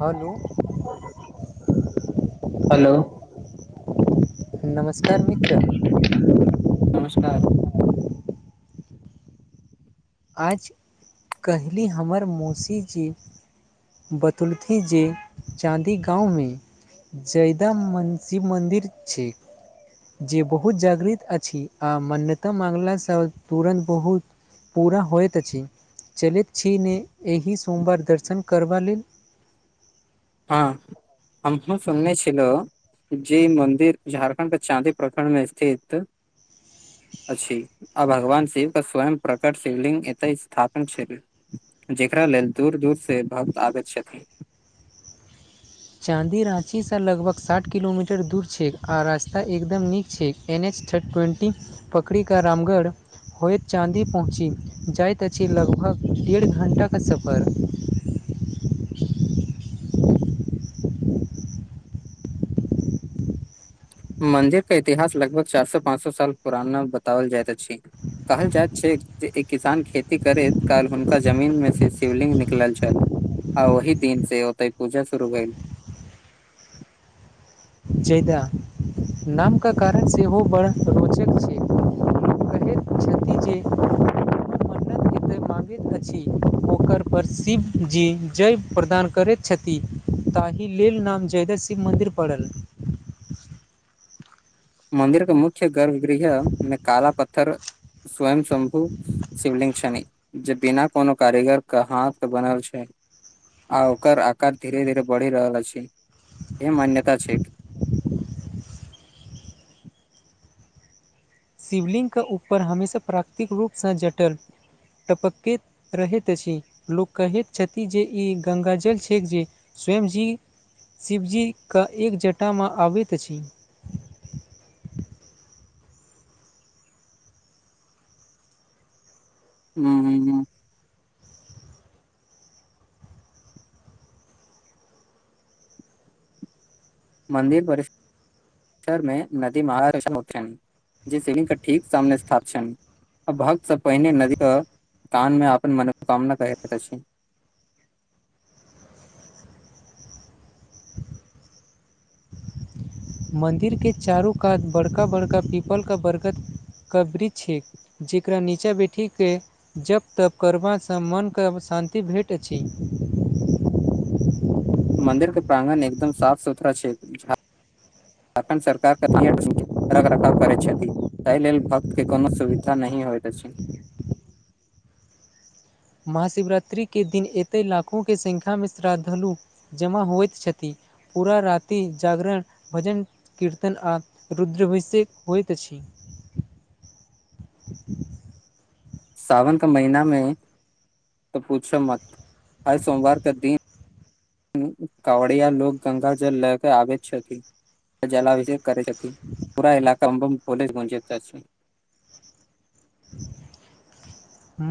हलो। Hello. नमस्कार मित्र। नमस्कार। आज कहली हमर मौसी जे बतौलथि जे चाँदी गाँवमे से एकदम मन शिवमन्दिर छै। जे बहुत जागृत अछि आ मन्यता मांगला से तुरन्त बहुत पूरा होइत अछि, चलैत छी नै एहि सोमवार दर्शन करबा लेल? हां हमहु सुनने छलों। जे मंदिर झारखण्ड के चाँदी प्रखंड में स्थित अछि आ भगवान शिव के स्वयं प्रकट शिवलिंग एते स्थापन छलै। जेकरा लग दूर-दूर से भक्त आवैत छथि। चाँदी राँची से लगभग साठ किलोमीटर दूर छै आ रास्ता एकदम नीक छै। एन एच थर्ड ट्वेन्टी पकड़ी का रामगढ़ होयत चाँदी पहुँची जाइत अछि, लगभग डेढ़ घण्टा के सफर मंन्दिर के इतिहास लगभग चार सौ पाँच सौ साल पुराना बतावल जाइत अछि। कहल जाइत छै जे एक किसान खेती करैत काल हुनका जमीन मे से शिवलिंग निकलल छल। आ ओहि दिन से ओते पूजा शुरू भेल। जयदा नाम के कारण सेहो बड़ रोचक छै। मगैत अछि, ओकर पर शिवजी जय प्रदान करैत छथि। ताहि लेल नाम जयदशिव मन्दिर पड़ल। मंन्दिर के मुख्य गर्भ गृह मे काला पत्थर स्वयं शंभू शिवलिंग छनि, जे बिना कोनो कारीगर के हाथ क बनल छै। आ ओकर आकार धीरे धीरे बढ़ि रहल अछि, य मान्यता छैथ। शिवलिङ्ग के ऊपर हमेशा प्राकृतिक रूप सँ जटल टपक्कैत रहैत अछि, लोक कहैत छथि जे ई गंगाजल छैक जे स्वयं जी शिवजी के एक जटा मे आबैत अछि। हूं- हूं हूं मन्दिर परिसर मे नदी महार जे शिवलिंग के ठीक सामने स्थाप छन। भक्त से पहिने नदी अ कान मे अपन मनोकामना कहत अछि। मन्दिर के चारू कात बड़का बड़का पीपल क, बरगद क वृक्ष छै। जकरा नीचाँ बैठी के जप तप करबा सँ मन के शांति भेट अछि। मन्दिर के प्रांगण एकदम साफ सुथरा छय झारखण्ड सरकार रख रखाव करै छथि, एहि लेल भक्त के कोनो असुविधा नही होयइत अछि। महाशिवरात्रि के दिन एते लाखो के संख्या मे श्रद्धालु जमा होइत छथि। पूरा राति जागरण, भजन कीर्तन आ रुद्राभिषेक होइत अछि। सावन क महिना मे तऽ पूछो मत हर सोमवार के दिन कावड़िया लोक गंगाजल लय के आबैत छथी त जलाभिषेक करै छैथी, पूरा इलाका मे बम बम भोले गूंजे अछि।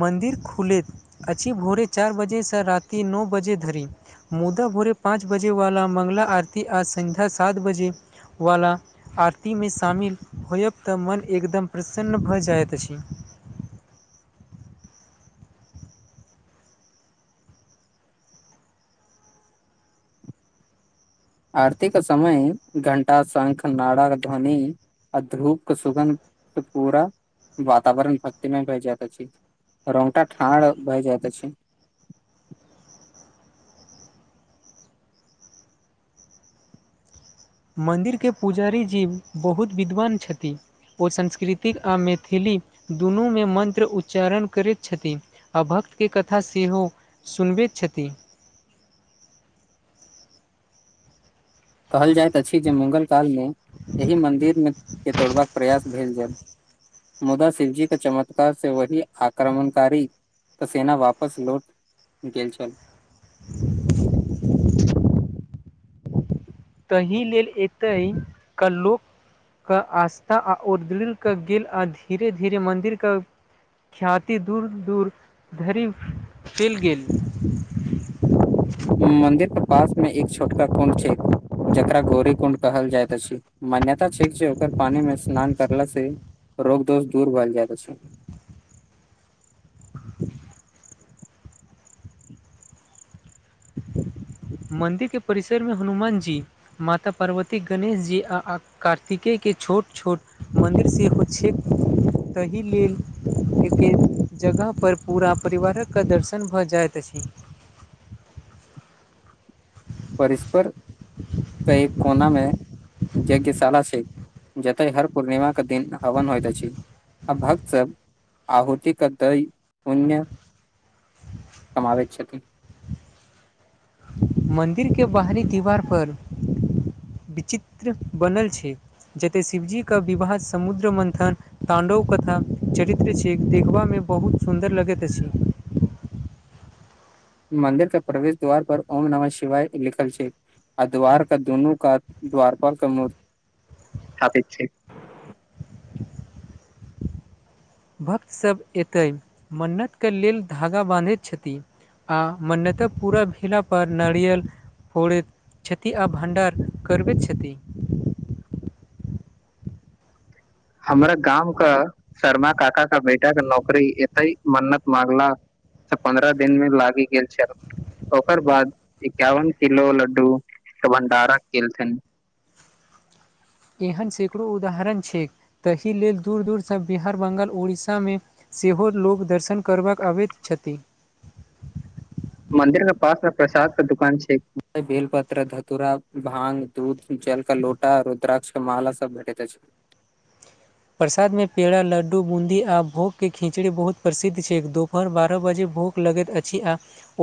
मन्दिर खुलेत अछि भोरे चार बजे सँ राति नओ बजे धरि। मुदा भोरे पाँच बजे वाला मंगला आरती आ संध्या सात बजे वाला आरती मे शामिल होयब तऽ मन एकदम प्रसन्न भऽ जाइत अछि। आरती क समय घंटा, शंख, नारा, ध्वनि आ धूप क सुगन्ध पूरा वातावरण भक्तिमय भ जायत अछि। रोंगटा ठाड भ जाइत अछि। मन्दिर के पुजारी जी बहुत विद्वान छथि। ओ सास्कृतिक आ मैथिली दुनू मे मन्त्र उच्चारण करैत छथि। आ भक्त के कथा सेहो सुनबैत छथि। कहल जाय अछि, जे मुगल काल मे एहि मन्दिर के तोड़बाक प्रयास भेल जाय। मुदा शिवजी के चमत्कार से वही आक्रमणकारी तऽ सेना वापस लौट गेल छल। तहि लेल एतै क लोक के आस्था आ ओर दृढ़ के गेल आ धीरे धीरे मंन्दिर क ख्याति दूर दूर धरि चईल गेल। मंन्दिर के पास में एक छोटका कुण्ड छै। जकरा गौरी कुंड कहल जाइत अछि, मान्यता छै जे ओकर पानी मे स्नान करला से रोग -दोस दूर भल जायत अछि। मन्दिर के परिसरमे हनुमान जी, माता पार्वती, गणेशजी आ कार्तिके के छोट -छोट मन्दिर सेहो छै। तहि लेल के के जगहपर पूरा परिवारक दर्शन भऽ जाइत अछि! परिस्पर, त एक कोना मे, यज्ञशाला से जते हर पूर्णिमा के दिन हवन होइत अछि! अब भक्त सब आहुुति क दय पुण्य, कमावइत छथि, मंन्दिर के बाहरी दीवार पर विचित्र बनल छै! जते शिवजीके विवाह समुद्र मन्थन, ताण्डव कथा चरित्र छिय देखबामे बहुत सुन्दर लगैत अछि! मन्दिर के प्रवेश द्वार पर ॐ नमः शिवाय लिखल छै! आ द्वार क दुनू कात द्वारपाल मूर्ति स्थापित छै भक्तसभ एतै मन्नतके लेल धागा बाँधैत छथिन! आ मान्यत पूरा भेला पर नारियल, फोड़ैत छथि आ भण्डार करबैत छथि! हमरा गाँव क, शर्मा काका का बेटा क नौकरी एत ह मन्नत मंगला! पन्द्रह दिन मे लागि गेल छल, ओकर बाद एकावन किलो लड्डू के भंडारा केलथिन! एहन सैकड़ो उदाहरण छै ताहि लेल दूर दूरसँ बिहार बंगाल उड़ीसामे, सेहो लोक दर्शन करबाक अबैत छथि! मंन्दिर के पास मे प्रसाद के दुकान छै बेल पत्र धतुरा भांग, दूध जल क लोटा रुद्राक्ष क माला सब भेठे अइछ! प्रसाद में पेड़ा लड्डू बूंदी आ भोग के खिचड़ी बहुत प्रसिद्ध छै दुपहर बारह बजे भोग, लगैत अछि आ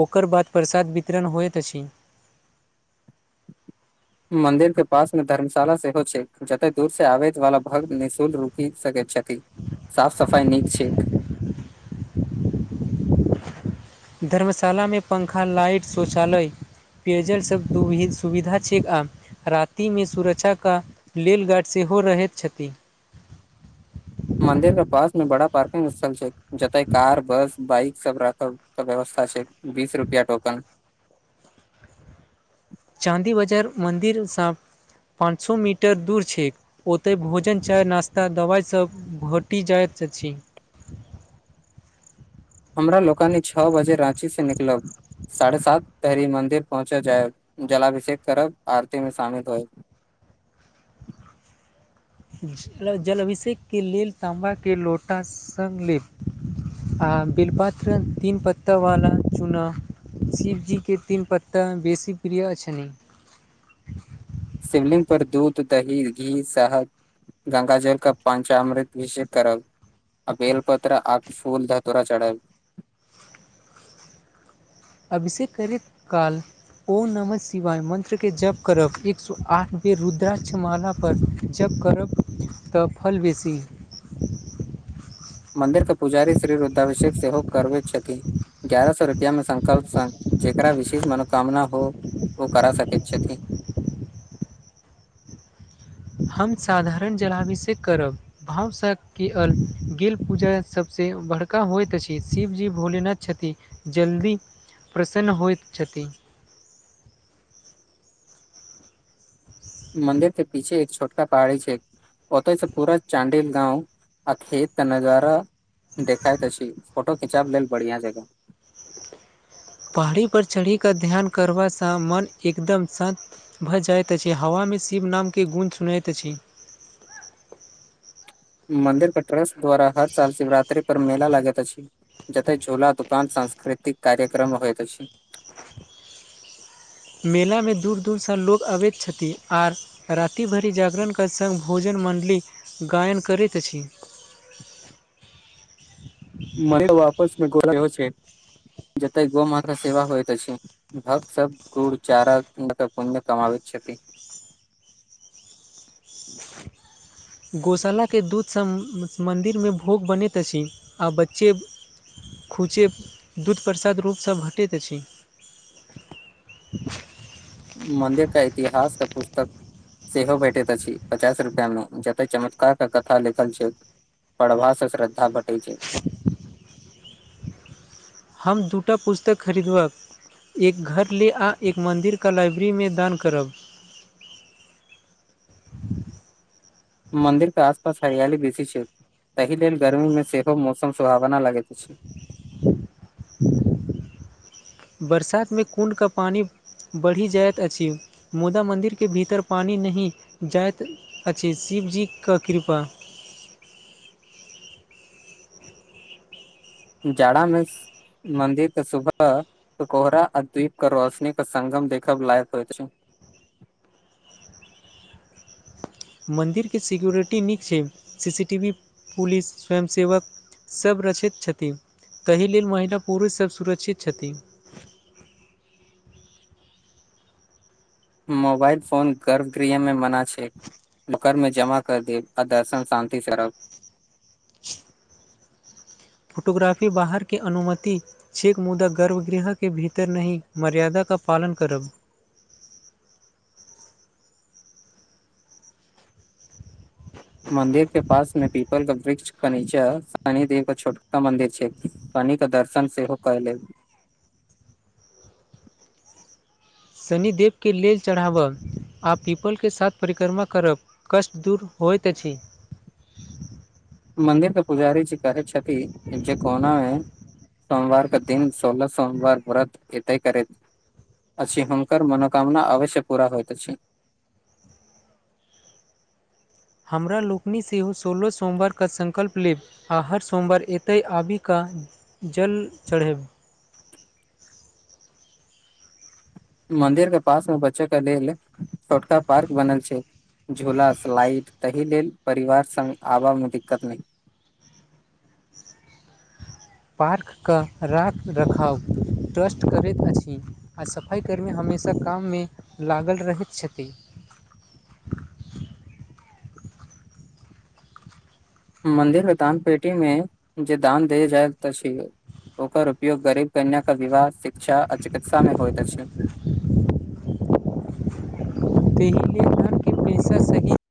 ओकर बाद प्रसाद वितरण होइत अछि! मन्दिर के पास मे धर्मशाला सेहो छै जते दूर से आबै वाला भक्त निःशुल्क रुकि सकैत छथि! साफ सफाई नीक छैक! [inaudible] धर्मशालामे पंखा लाइट शौचालय, पेयजल सब दु सुविधा छैक आ, रातिमे सुरक्षा क लेलगाड सेहो रहैत छथि मंन्दिर के पास में बड़ा पार्किंग स्थल छै जते कार बस बाइक सब राखब, तऽ व्यवस्था छै बीस रुपयाटोकन! चाँदी बाजार मन्दिर सँ पाँच सो मीटर दूर छैक, ओतय भोजन चाय नाश्ता दवाइसभ भटि जाइत अछि! हमरा लोकानी छओ बजे राँची सँ निकलब, साढ़े सात तहरी मंदिर पहुँचा जायब जलाभिषेक करब आरती में शामिल होए! जल अभिषेक के लेल ताँबा के लोटा संग लेल, आ बिलपात्र तीन पत्ता वाला चूना, शिवजीके तीन पत्ता बेसी प्रिय छैनि, शिवलिंग पर दूध दही घी शहद, गंगा जल क पाञच अमृत अभिषेक करब, आ बेल पत्र आक फूल धतुरा चढ़ाब, अभिषेक करैत काल,, ॐ नमः शिवाय मन्त्रके जप करब एक सो आठ बेर रुद्राक्षमाला पर! जप करब तऽ फल बेसी मन्दिरके पुजारी श्री रुद्धाभिषेक सेहो करबैत छथि। गगारह सए रुपआ में संकल्प सँ जेकरा विशेष मनोकामना हो। ओ करा सकैत छथिन। हम साधारण जलाभिषेक करब। भावसँ की अल गेल पूजा सभसँ बड़का होइत अछि, शिवजी भोलेनाथ छथिन। जल्दी प्रसन्न होइत छथि। मन्दिर के पीछे एक छोटका पहाड़ी छै। ओतसँ पूरा चानडील गाँव आ खेत नजारा देखैतइत छी फोटो खिचाब लेल बढ़िया जगह। पहाड़ी पर चढ़ी क ध्यान करबासँ मन एकदम शान्त भऽ जाइत अछि हवामे शिव नामके गुण सुनैत अछि। मन्दिर के ट्रस्ट द्वारा हर साल शिवरात्रि पर मेला लागैत अछि। जते छोला दुकान सांस्कृतिक कार्यक्रम होयइत अछि। मेलामे दूर दूरसँ लोक अबैत छथिन आर रातिभरि जागरणके सङ्ग भोजन मण्डली गायन करैत अछि। मने [unintelligible] आापसमे गो छै जत गो म का सेवा होइ त छै। भक्त सब गुड़ चारा नकर पुण मे कमाबैत छथि। गौशालाके दूधसँ मन्दिरमे भोग बनैत अछि आ बच्चे खूचे दूध प्रसाद रूपसँ भेटैत अछि। मन्दिर का इतिहास का पुस्तक सेहो भेटैत अछि पचास रुपैआ मे जते चमत्कार के कथा लिखल छै। पढ़बास से श्रद्धा बेटै छै। हम दूटा पुस्तक खरीदलोव। एक घर ले आ एक मन्दिरकेा लाइब्रेरीमे दान करब। मंदिर के आसपास हरियाली बेसी छै तहि लेल गर्मी में सेहो मौसम सुहावना लगैत अछि। [unintelligible] बरसात मे कु्ड का पानि बढ़ि जायइत अछि मुदा मन्दिर के भीतर पानि नहि जायत अछी शिवजीके कृपा। जाड़ामे मन्दिर तऽ सुबह त कोहरा आ द्वीप के रोशनी के संगम देखब लायक होइत छै। मन्दिरके सिक्योरििटी नीक छै C C T V police स्वयं सेवक सभ रक्षित छथिन ताहि लेल महिला पुरुषसभ सुरक्षित छथिन। मोबाइल फोन गर्भगृहमे मना छै। बकर में जमा कर देब आ दर्शन शान्तति से करब। फोटोग्राफी बाहरके अनुमति छेक मुदा गर्भगृह के भीतर नहि मर्यादा क पालन करब। मंन्दिर के पास मे भी [unintelligible] वृक्ष कऽ नीच सनि देव छोटका मंन्दिर छै ह। कनि के दर्शन सेहो क लेब। शनिदेवके लेल चढ़ाबय आ पीपलके साथ परिक्रमा करब कष्ट दूर होय त अछि। मंदिर के पुजारी जी कहे छथि जे कोना मे सोमवार के दिन सोलह सोमवार व्रत एते करैत। अछि हुनकर मनोकामना अवश्य पूरा होयइत अछि। हमरा लोकनि सेहो सोलह सोमवारके संकल्प लेब। आ हर सोमवार एतय आबि कऽ जल चढ़ेब। मंदिरके पासमे बच्चे के लेल छोटका पार्क बनल छै‌य। झूला सलाइट ताहि लेल परिवार सङ् आबयमे दिक्कत नहि। पार्कके राख रखाव ट्रस्ट करैत अछि। आ सफाइकर्मी हमेशा काममे लागल रहैत छथि। मंन्दिरके दान पेटीमे जे दान देल जाइत अछि ओकर उपयोग गरीब कन्याके विवाह, शिक्षा आ चिकित्सामे होइत अछि। तेही लेल धान के पैसा सही